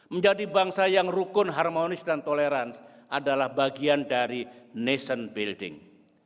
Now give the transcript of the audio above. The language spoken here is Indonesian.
menjadi bangsa yang rukun harmonis dan tolerans adalah bagian dari nation building